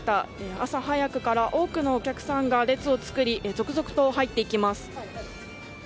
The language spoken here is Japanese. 朝早くから多くのお客さんが列を作り、続々と入っていきます。